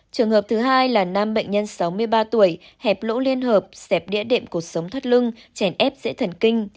trường hợp thứ hai là năm bệnh nhân sáu mươi ba tuổi hẹp lỗ liên hợp xẹp địa điểm cuộc sống thoát lưng chèn ép dễ thần kinh